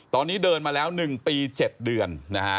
ตอนนี้เดินมาแล้ว๑ปี๗เดือนนะฮะ